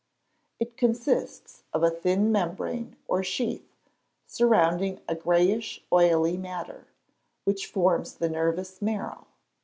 _ It consists of a thin membrane, or sheath, surrounding a greyish oily matter, which forms the nervous marrow.